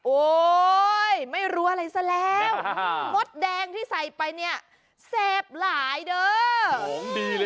โอ๊ยไม่รู้อะไรสวะแล้ว